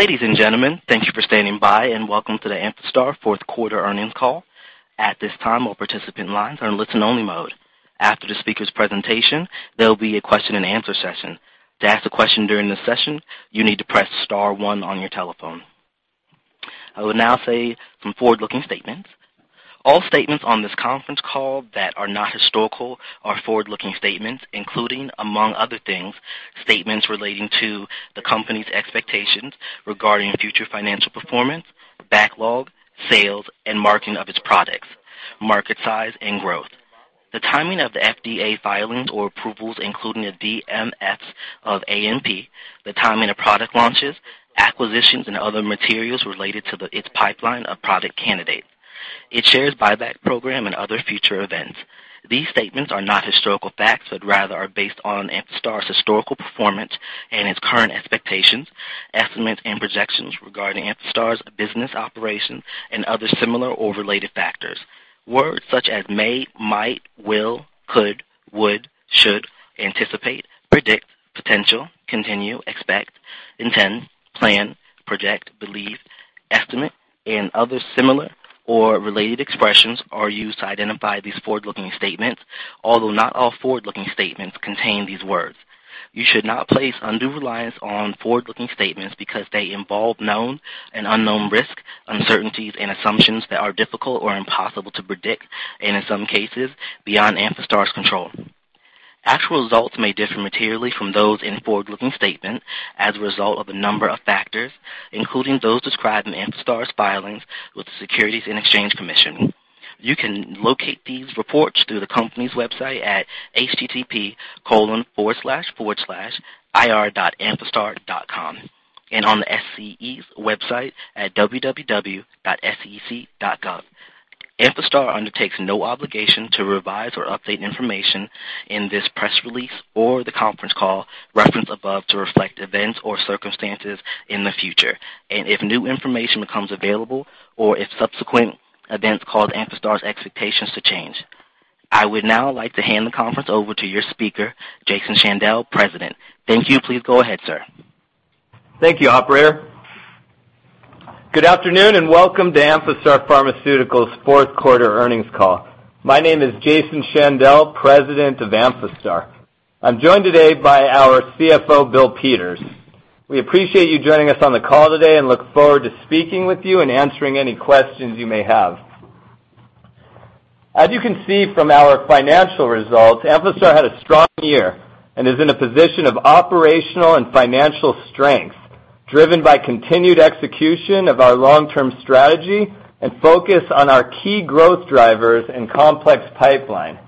Ladies and gentlemen, thank you for standing by and welcome to the Amphastar fourth quarter earnings call. At this time, all participant lines are in listen-only mode. After the speaker's presentation, there will be a question-and-answer session. To ask a question during this session, you need to press star one on your telephone. I will now say some forward-looking statements. All statements on this conference call that are not historical are forward-looking statements, including, among other things, statements relating to the company's expectations regarding future financial performance, backlog, sales, and marketing of its products, market size, and growth. The timing of the FDA filings or approvals, including the DMFs of ANP, the timing of product launches, acquisitions, and other materials related to its pipeline of product candidates. Its share buyback programs and other future events. These statements are not historical facts but rather are based on Amphastar's historical performance and its current expectations, estimates, and projections regarding Amphastar's business operations and other similar or related factors. Words such as may, might, will, could, would, should, anticipate, predict, potential, continue, expect, intend, plan, project, believe, estimate, and other similar or related expressions are used to identify these forward-looking statements, although not all forward-looking statements contain these words. You should not place undue reliance on forward-looking statements because they involve known and unknown risks, uncertainties, and assumptions that are difficult or impossible to predict, and in some cases, beyond Amphastar's control. Actual results may differ materially from those in forward-looking statements as a result of a number of factors, including those described in Amphastar's filings with the Securities and Exchange Commission. You can locate these reports through the company's website at https://ir.amphastar.com and on the SEC's website at www.sec.gov. Amphastar undertakes no obligation to revise or update information in this press release or the conference call referenced above to reflect events or circumstances in the future, and if new information becomes available or if subsequent events cause Amphastar's expectations to change. I would now like to hand the conference over to your speaker, Jason Shandell, President. Thank you. Please go ahead, sir. Thank you, Operator. Good afternoon and welcome to Amphastar Pharmaceuticals' fourth quarter earnings call. My name is Jason Shandell, President of Amphastar. I'm joined today by our CFO, Bill Peters. We appreciate you joining us on the call today and look forward to speaking with you and answering any questions you may have. As you can see from our financial results, Amphastar had a strong year and is in a position of operational and financial strength, driven by continued execution of our long-term strategy and focus on our key growth drivers and complex pipeline.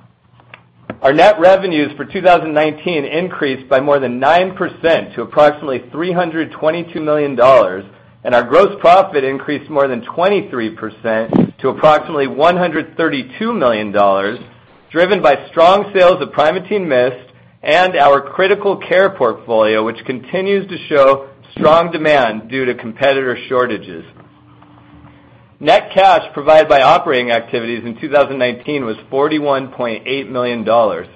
Our net revenues for 2019 increased by more than 9% to approximately $322 million, and our gross profit increased more than 23% to approximately $132 million, driven by strong sales of Primatene Mist and our critical care portfolio, which continues to show strong demand due to competitor shortages. Net cash provided by operating activities in 2019 was $41.8 million.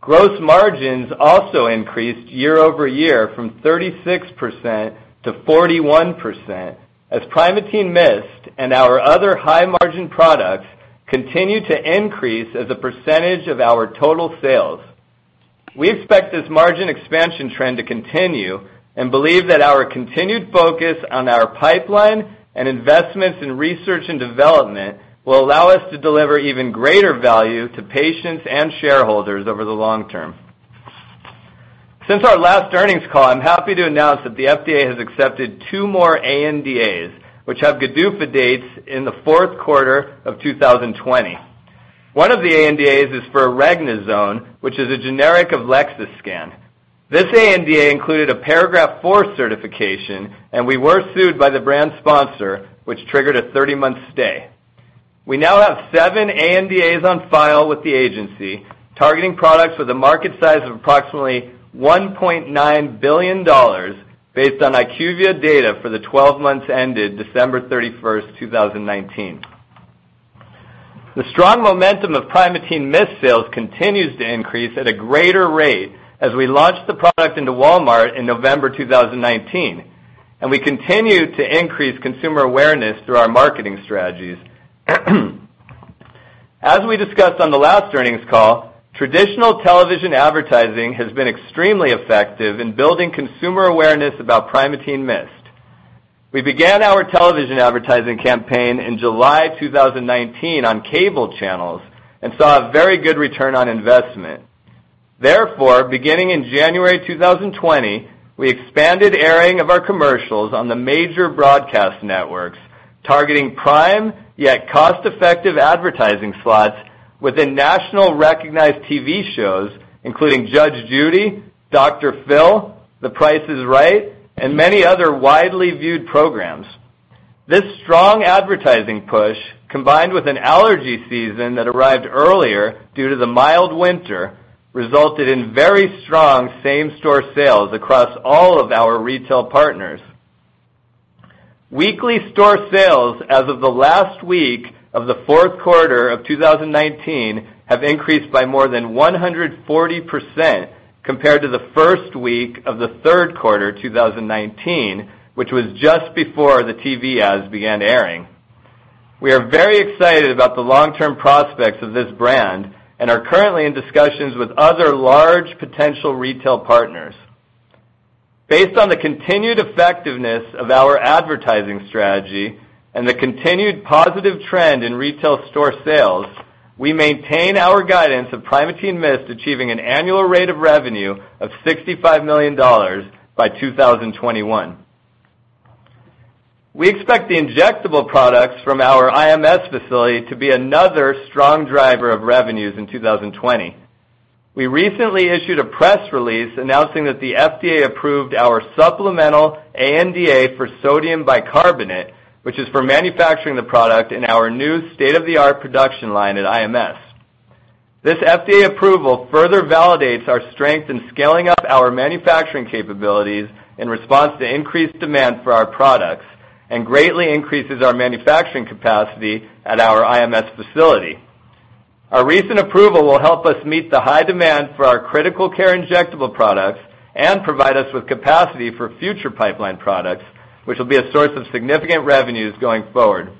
Gross margins also increased year over year from 36% to 41% as Primatene Mist and our other high-margin products continue to increase as a percentage of our total sales. We expect this margin expansion trend to continue and believe that our continued focus on our pipeline and investments in research and development will allow us to deliver even greater value to patients and shareholders over the long term. Since our last earnings call, I'm happy to announce that the FDA has accepted two more ANDAs, which have GDUFA dates in the fourth quarter of 2020. One of the ANDAs is for regadenoson, which is a generic of Lexiscan. This ANDA included a Paragraph IV certification, and we were sued by the brand sponsor, which triggered a 30-month stay. We now have seven ANDAs on file with the agency, targeting products with a market size of approximately $1.9 billion, based on IQVIA data for the 12 months ended December 31st, 2019. The strong momentum of Primatene Mist sales continues to increase at a greater rate as we launched the product into Walmart in November 2019, and we continue to increase consumer awareness through our marketing strategies. As we discussed on the last earnings call, traditional television advertising has been extremely effective in building consumer awareness about Primatene Mist. We began our television advertising campaign in July 2019 on cable channels and saw a very good return on investment. Therefore, beginning in January 2020, we expanded airing of our commercials on the major broadcast networks, targeting prime yet cost-effective advertising slots within nationally recognized TV shows, including Judge Judy, Dr. Phil, The Price is Right, and many other widely viewed programs. This strong advertising push, combined with an allergy season that arrived earlier due to the mild winter, resulted in very strong same-store sales across all of our retail partners. Weekly store sales as of the last week of the fourth quarter of 2019 have increased by more than 140% compared to the first week of the third quarter 2019, which was just before the TV ads began airing. We are very excited about the long-term prospects of this brand and are currently in discussions with other large potential retail partners. Based on the continued effectiveness of our advertising strategy and the continued positive trend in retail store sales, we maintain our guidance of Primatene Mist achieving an annual rate of revenue of $65 million by 2021. We expect the injectable products from our IMS facility to be another strong driver of revenues in 2020. We recently issued a press release announcing that the FDA approved our supplemental ANDA for sodium bicarbonate, which is for manufacturing the product in our new state-of-the-art production line at IMS. This FDA approval further validates our strength in scaling up our manufacturing capabilities in response to increased demand for our products and greatly increases our manufacturing capacity at our IMS facility. Our recent approval will help us meet the high demand for our critical care injectable products and provide us with capacity for future pipeline products, which will be a source of significant revenues going forward.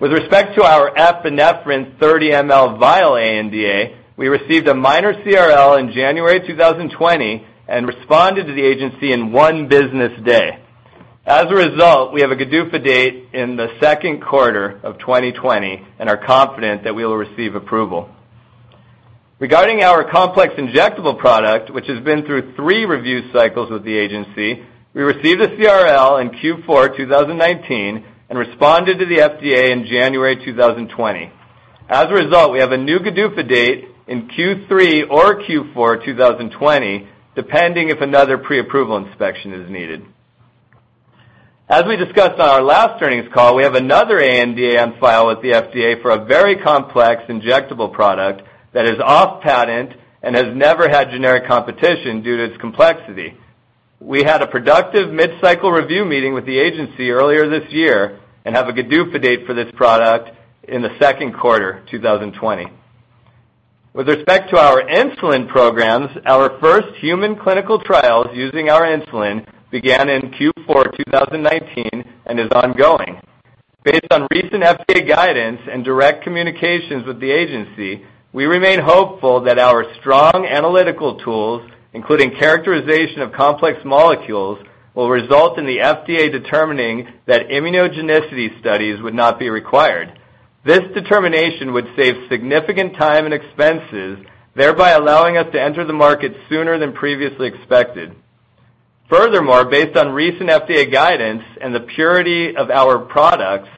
With respect to our epinephrine 30 mL vial ANDA, we received a minor CRL in January 2020 and responded to the agency in one business day. As a result, we have a GDUFA date in the second quarter of 2020 and are confident that we will receive approval. Regarding our complex injectable product, which has been through three review cycles with the agency, we received a CRL in Q4 2019 and responded to the FDA in January 2020. As a result, we have a new GDUFA date in Q3 or Q4 2020, depending if another pre-approval inspection is needed. As we discussed on our last earnings call, we have another ANDA on file with the FDA for a very complex injectable product that is off-patent and has never had generic competition due to its complexity. We had a productive mid-cycle review meeting with the agency earlier this year and have a GDUFA date for this product in the second quarter 2020. With respect to our insulin programs, our first human clinical trials using our insulin began in Q4 2019 and is ongoing. Based on recent FDA guidance and direct communications with the agency, we remain hopeful that our strong analytical tools, including characterization of complex molecules, will result in the FDA determining that immunogenicity studies would not be required. This determination would save significant time and expenses, thereby allowing us to enter the market sooner than previously expected. Furthermore, based on recent FDA guidance and the purity of our products,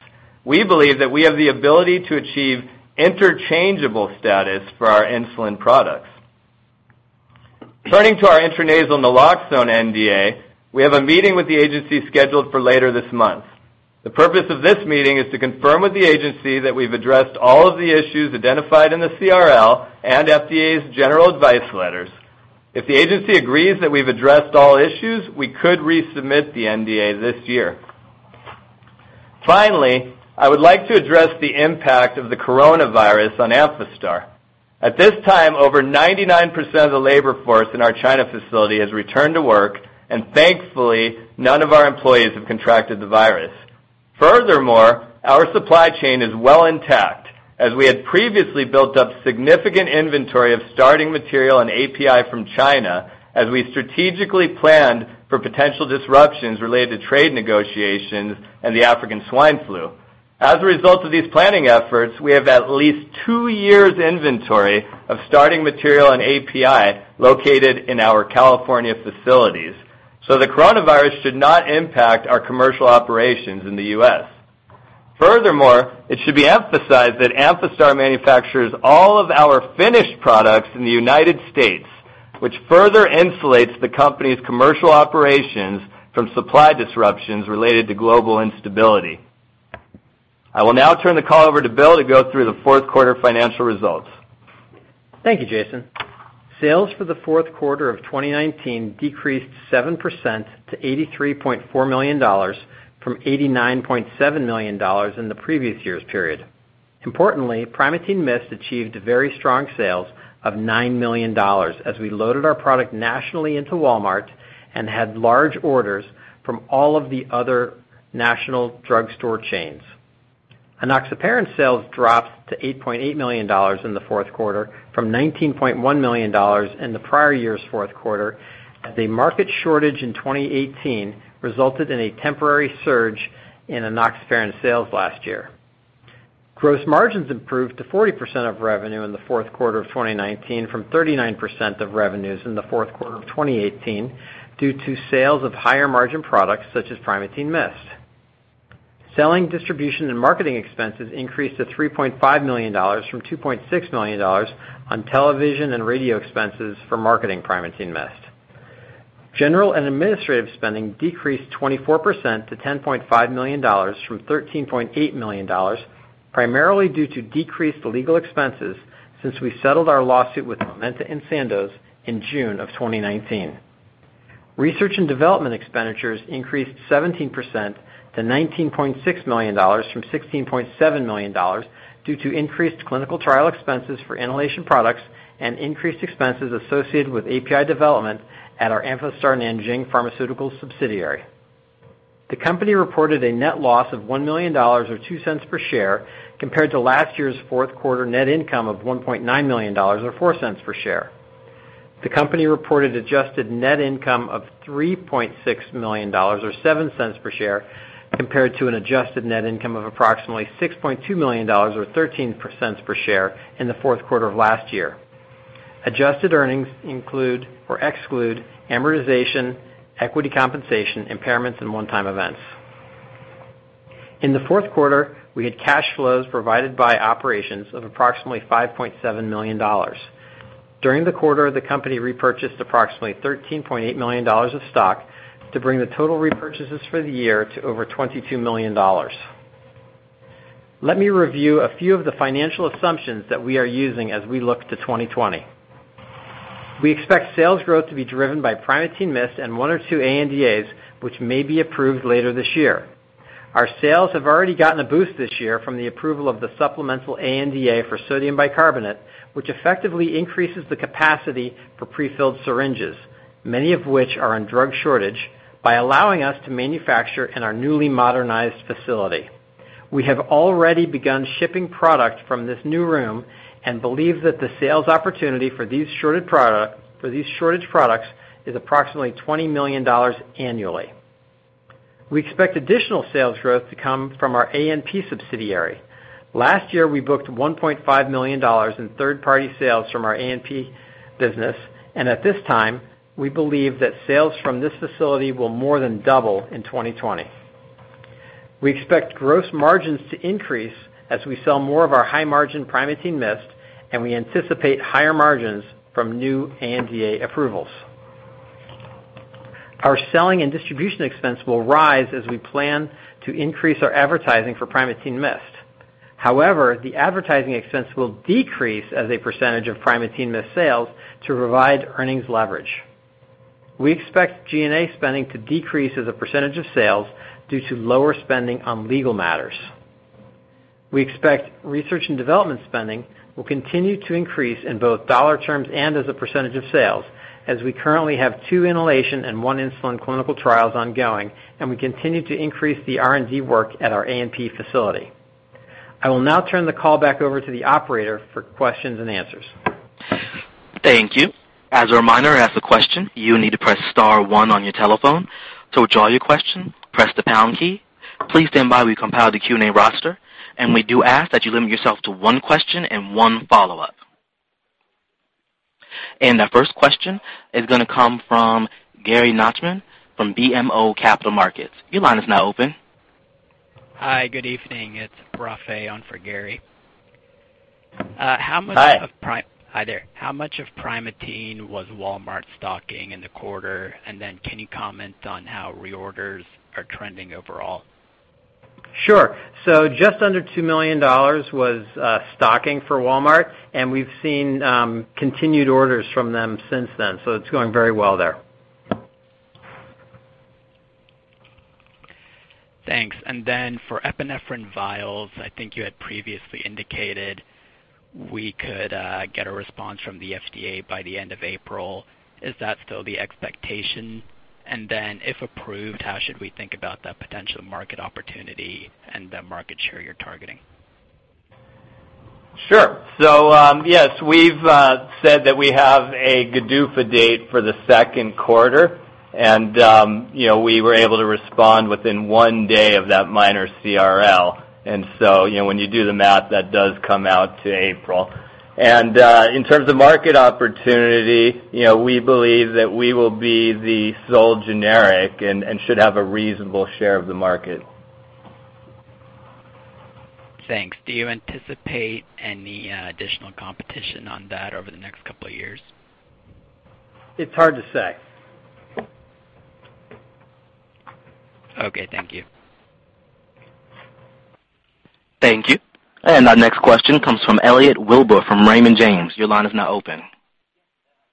we believe that we have the ability to achieve interchangeable status for our insulin products. Turning to our intranasal naloxone NDA, we have a meeting with the agency scheduled for later this month. The purpose of this meeting is to confirm with the agency that we've addressed all of the issues identified in the CRL and FDA's general advice letters. If the agency agrees that we've addressed all issues, we could resubmit the NDA this year. Finally, I would like to address the impact of the coronavirus on Amphastar. At this time, over 99% of the labor force in our China facility has returned to work, and thankfully, none of our employees have contracted the virus. Furthermore, our supply chain is well intact, as we had previously built up significant inventory of starting material and API from China, as we strategically planned for potential disruptions related to trade negotiations and the African swine flu. As a result of these planning efforts, we have at least two years' inventory of starting material and API located in our California facilities, so the coronavirus should not impact our commercial operations in the U.S. Furthermore, it should be emphasized that Amphastar manufactures all of our finished products in the United States, which further insulates the company's commercial operations from supply disruptions related to global instability. I will now turn the call over to Bill to go through the fourth quarter financial results. Thank you, Jason. Sales for the fourth quarter of 2019 decreased 7% to $83.4 million from $89.7 million in the previous year's period. Importantly, Primatene Mist achieved very strong sales of $9 million as we loaded our product nationally into Walmart and had large orders from all of the other national drugstore chains. enoxaparin sales dropped to $8.8 million in the fourth quarter from $19.1 million in the prior year's fourth quarter, as a market shortage in 2018 resulted in a temporary surge in enoxaparin sales last year. Gross margins improved to 40% of revenue in the fourth quarter of 2019 from 39% of revenues in the fourth quarter of 2018 due to sales of higher-margin products such as Primatene Mist. Selling, distribution, and marketing expenses increased to $3.5 million from $2.6 million on television and radio expenses for marketing Primatene Mist. General and administrative spending decreased 24% to $10.5 million from $13.8 million, primarily due to decreased legal expenses since we settled our lawsuit with Momenta & Sandoz in June of 2019. Research and development expenditures increased 17% to $19.6 million from $16.7 million due to increased clinical trial expenses for inhalation products and increased expenses associated with API development at our Amphastar Nanjing Pharmaceuticals subsidiary. The company reported a net loss of $1 million or $0.02 per share compared to last year's fourth quarter net income of $1.9 million or $0.04 per share. The company reported adjusted net income of $3.6 million or $0.07 per share compared to an adjusted net income of approximately $6.2 million or $0.13 per share in the fourth quarter of last year. Adjusted earnings include or exclude amortization, equity compensation, impairments, and one-time events. In the fourth quarter, we had cash flows provided by operations of approximately $5.7 million. During the quarter, the company repurchased approximately $13.8 million of stock to bring the total repurchases for the year to over $22 million. Let me review a few of the financial assumptions that we are using as we look to 2020. We expect sales growth to be driven by Primatene Mist and one or two ANDAs, which may be approved later this year. Our sales have already gotten a boost this year from the approval of the supplemental ANDA for sodium bicarbonate, which effectively increases the capacity for prefilled syringes, many of which are in drug shortage, by allowing us to manufacture in our newly modernized facility. We have already begun shipping product from this new room and believe that the sales opportunity for these shortage products is approximately $20 million annually. We expect additional sales growth to come from our ANP subsidiary. Last year, we booked $1.5 million in third-party sales from our ANP business, and at this time, we believe that sales from this facility will more than double in 2020. We expect gross margins to increase as we sell more of our high-margin Primatene Mist, and we anticipate higher margins from new ANDA approvals. Our selling and distribution expense will rise as we plan to increase our advertising for Primatene Mist. However, the advertising expense will decrease as a percentage of Primatene Mist sales to provide earnings leverage. We expect G&A spending to decrease as a percentage of sales due to lower spending on legal matters. We expect research and development spending will continue to increase in both dollar terms and as a percentage of sales, as we currently have two inhalation and one insulin clinical trials ongoing, and we continue to increase the R&D work at our ANP facility. I will now turn the call back over to the operator for questions and answers. Thank you. As a reminder, to ask a question, you need to press star one on your telephone. To withdraw your question, press the pound key. Please stand by while we compile the Q&A roster, and we do ask that you limit yourself to one question and one follow-up. Our first question is going to come from Gary Nachman from BMO Capital Markets. Your line is now open. Hi, good evening. It's Rafay on for Gary. How much of. Hi. Hi there. How much of Primatene was Walmart stocking in the quarter? And then can you comment on how reorders are trending overall? Sure. So just under $2 million was stocking for Walmart, and we've seen continued orders from them since then, so it's going very well there. Thanks. Then for epinephrine vials, I think you had previously indicated we could get a response from the FDA by the end of April. Is that still the expectation? Then if approved, how should we think about that potential market opportunity and the market share you're targeting? Sure. So yes, we've said that we have a GDUFA date for the second quarter, and we were able to respond within one day of that minor CRL. And so when you do the math, that does come out to April. And in terms of market opportunity, we believe that we will be the sole generic and should have a reasonable share of the market. Thanks. Do you anticipate any additional competition on that over the next couple of years? It's hard to say. Okay. Thank you. Thank you. And our next question comes from Elliot Wilbur from Raymond James. Your line is now open.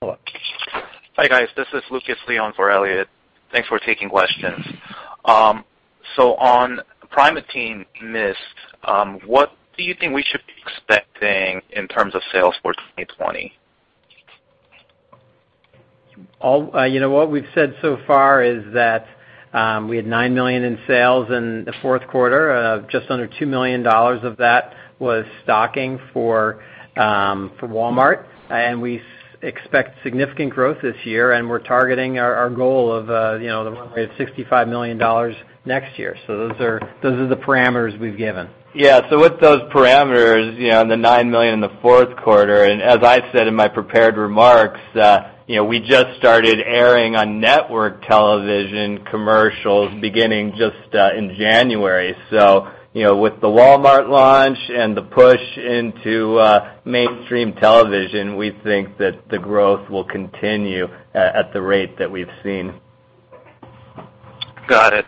Hi guys. This is Lucas Lee for Elliot. Thanks for taking questions. So on Primatene Mist, what do you think we should be expecting in terms of sales for 2020? You know what we've said so far is that we had $9 million in sales in the fourth quarter. Just under $2 million of that was stocking for Walmart, and we expect significant growth this year, and we're targeting our goal of $65 million next year. So those are the parameters we've given. Yeah. So with those parameters, the $9 million in the fourth quarter, and as I said in my prepared remarks, we just started airing on network television commercials beginning just in January. So with the Walmart launch and the push into mainstream television, we think that the growth will continue at the rate that we've seen. Got it.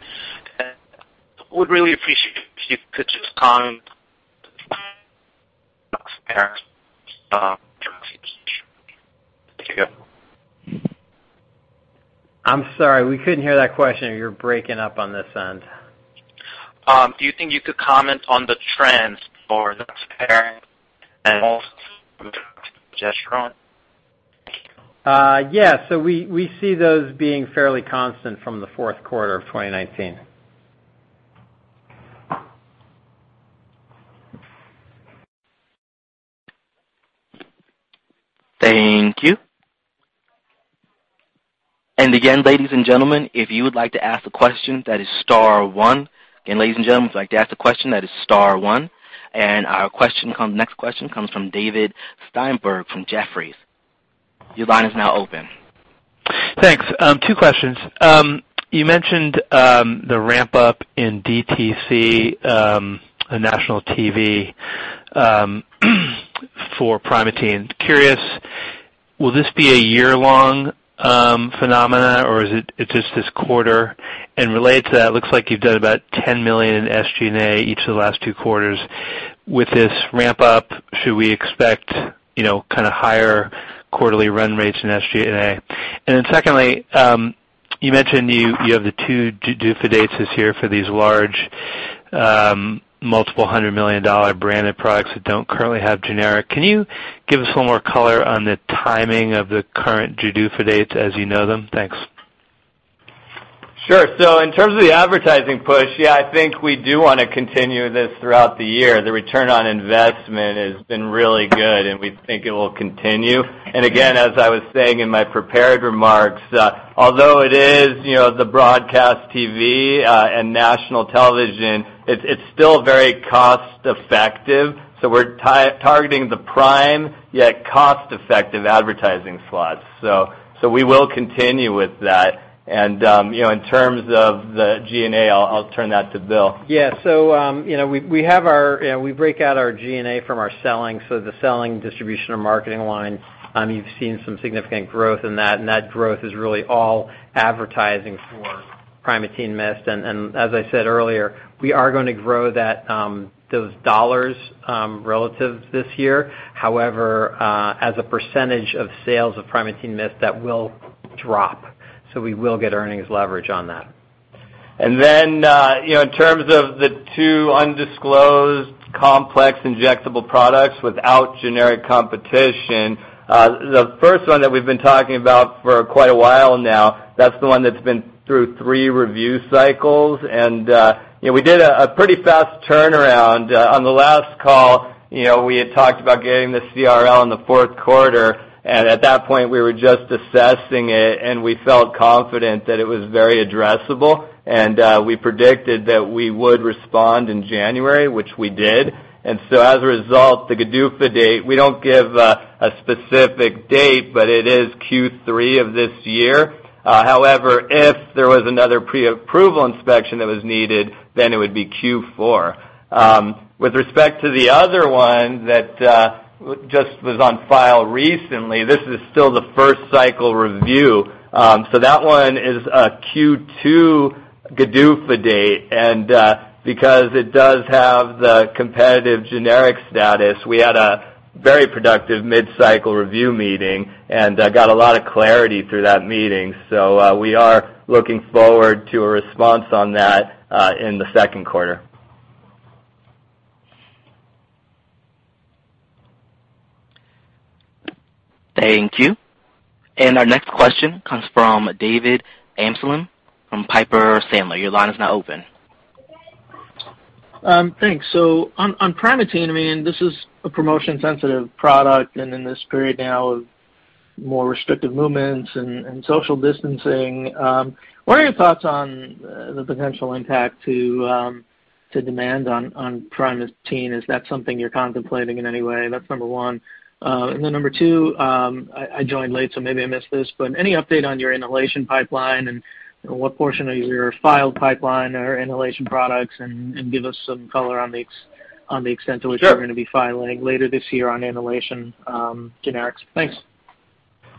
Would really appreciate if you could just comment on the enoxaparin trends. I'm sorry. We couldn't hear that question. You're breaking up on this end. Do you think you could comment on the trends for enoxaparin and? Yeah. So we see those being fairly constant from the fourth quarter of 2019. Thank you. And again, ladies and gentlemen, if you would like to ask a question, that is star one. Again, ladies and gentlemen, if you'd like to ask a question, that is star one. And our next question comes from David Steinberg from Jefferies. Your line is now open. Thanks. Two questions. You mentioned the ramp-up in DTC, the national TV, for Primatene. Curious, will this be a year-long phenomenon, or is it just this quarter? And related to that, it looks like you've done about $10 million in SG&A each of the last two quarters. With this ramp-up, should we expect kind of higher quarterly run rates in SG&A? And then secondly, you mentioned you have the two GDUFA dates this year for these large multiple $100 million branded products that don't currently have generic. Can you give us a little more color on the timing of the current GDUFA dates as you know them? Thanks. Sure. So in terms of the advertising push, yeah, I think we do want to continue this throughout the year. The return on investment has been really good, and we think it will continue. And again, as I was saying in my prepared remarks, although it is the broadcast TV and national television, it's still very cost-effective. So we're targeting the prime yet cost-effective advertising slots. So we will continue with that. And in terms of the G&A, I'll turn that to Bill. Yeah. So we break out our G&A from our selling. So the selling, distribution, and marketing line, you've seen some significant growth in that, and that growth is really all advertising for Primatene Mist. And as I said earlier, we are going to grow those dollars relative this year. However, as a percentage of sales of Primatene Mist, that will drop. So we will get earnings leverage on that. And then in terms of the two undisclosed complex injectable products without generic competition, the first one that we've been talking about for quite a while now, that's the one that's been through three review cycles. And we did a pretty fast turnaround. On the last call, we had talked about getting the CRL in the fourth quarter, and at that point, we were just assessing it, and we felt confident that it was very addressable. And we predicted that we would respond in January, which we did. And so as a result, the GDUFA date, we don't give a specific date, but it is Q3 of this year. However, if there was another pre-approval inspection that was needed, then it would be Q4. With respect to the other one that just was on file recently, this is still the first cycle review. That one is a Q2 GDUFA date. Because it does have the competitive generic status, we had a very productive mid-cycle review meeting and got a lot of clarity through that meeting. We are looking forward to a response on that in the second quarter. Thank you. And our next question comes from David Amsellem from Piper Sandler. Your line is now open. Thanks. So on Primatene, I mean, this is a promotion-sensitive product, and in this period now of more restrictive movements and social distancing, what are your thoughts on the potential impact to demand on Primatene? Is that something you're contemplating in any way? That's number one. And then number two, I joined late, so maybe I missed this, but any update on your inhalation pipeline and what portion of your filed pipeline are inhalation products? And give us some color on the extent to which you're going to be filing later this year on inhalation generics. Thanks.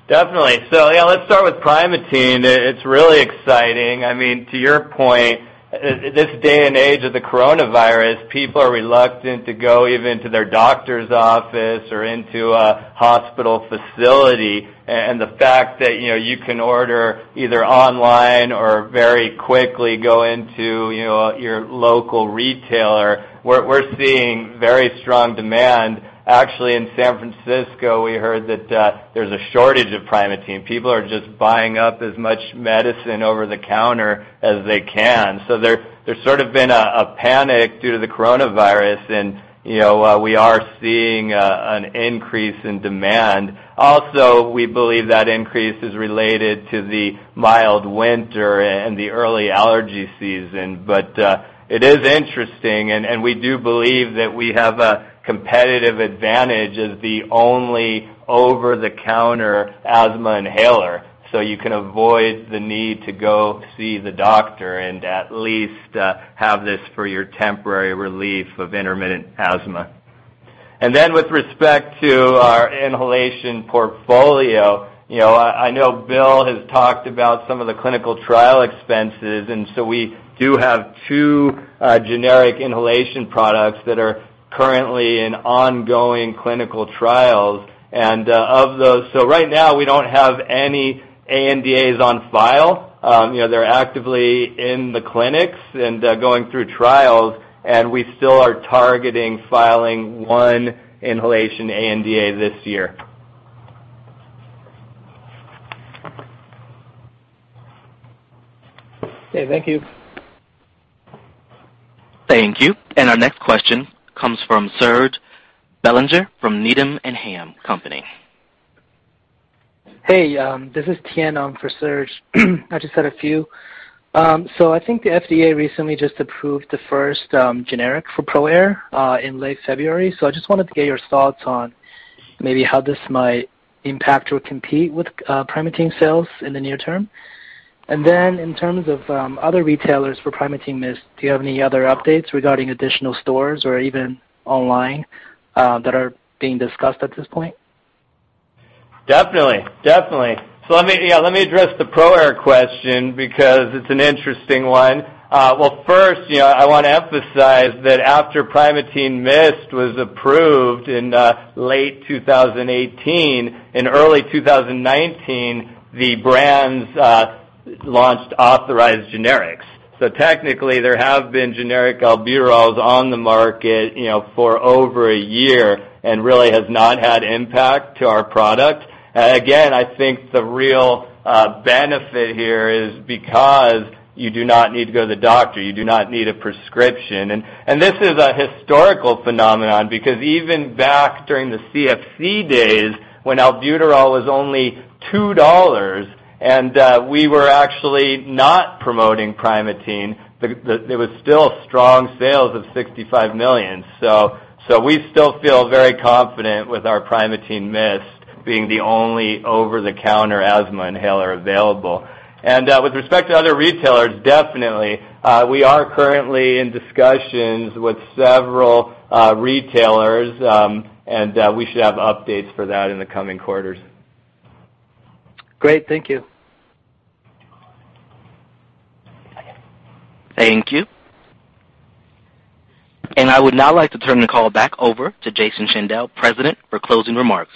Definitely. So yeah, let's start with Primatene. It's really exciting. I mean, to your point, this day and age of the coronavirus, people are reluctant to go even to their doctor's office or into a hospital facility. And the fact that you can order either online or very quickly go into your local retailer, we're seeing very strong demand. Actually, in San Francisco, we heard that there's a shortage of Primatene. People are just buying up as much medicine over the counter as they can. So there's sort of been a panic due to the coronavirus, and we are seeing an increase in demand. Also, we believe that increase is related to the mild winter and the early allergy season. But it is interesting, and we do believe that we have a competitive advantage as the only over-the-counter asthma inhaler. You can avoid the need to go see the doctor and at least have this for your temporary relief of intermittent asthma. With respect to our inhalation portfolio, I know Bill has talked about some of the clinical trial expenses, and we do have two generic inhalation products that are currently in ongoing clinical trials. Of those, right now, we don't have any ANDAs on file. They're actively in the clinics and going through trials, and we still are targeting filing one inhalation ANDA this year. Okay. Thank you. Thank you. And our next question comes from Serge Belanger from Needham & Company. Hey. This is Tian for Serge. I just had a few. So I think the FDA recently just approved the first generic for ProAir in late February. So I just wanted to get your thoughts on maybe how this might impact or compete with Primatene sales in the near term. And then in terms of other retailers for Primatene Mist, do you have any other updates regarding additional stores or even online that are being discussed at this point? Definitely. Definitely. So yeah, let me address the ProAir question because it's an interesting one. Well, first, I want to emphasize that after Primatene Mist was approved in late 2018, in early 2019, the brands launched authorized generics. So technically, there have been generic albuterols on the market for over a year and really have not had impact to our product. Again, I think the real benefit here is because you do not need to go to the doctor. You do not need a prescription. And this is a historical phenomenon because even back during the CFC days when albuterol was only $2 and we were actually not promoting Primatene, there were still strong sales of $65 million. So we still feel very confident with our Primatene Mist being the only over-the-counter asthma inhaler available. With respect to other retailers, definitely, we are currently in discussions with several retailers, and we should have updates for that in the coming quarters. Great. Thank you. Thank you. And I would now like to turn the call back over to Jason Shandell, President, for closing remarks.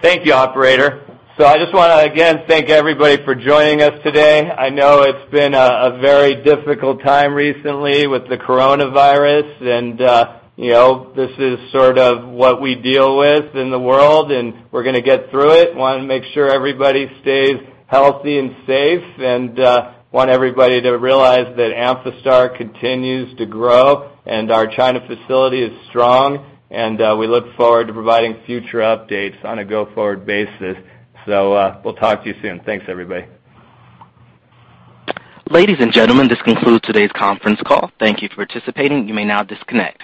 Thank you, Operator. So I just want to again thank everybody for joining us today. I know it's been a very difficult time recently with the coronavirus, and this is sort of what we deal with in the world, and we're going to get through it. I want to make sure everybody stays healthy and safe and want everybody to realize that Amphastar continues to grow and our China facility is strong, and we look forward to providing future updates on a go-forward basis. So we'll talk to you soon. Thanks, everybody. Ladies and gentlemen, this concludes today's conference call. Thank you for participating. You may now disconnect.